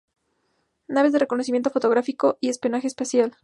Naves de reconocimiento fotográfico y espionaje espacial.